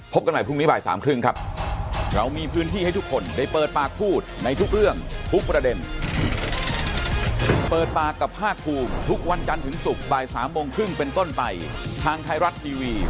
กันใหม่พรุ่งนี้บ่ายสามครึ่งครับ